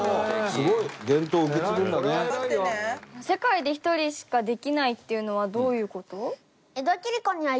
世界で１人しかできないっていうのはどういう事？